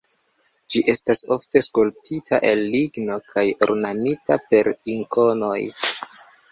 Ĝi estas ofte skulptita el ligno kaj ornamita per ikonoj.